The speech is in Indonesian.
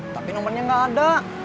tapi nomernya gak ada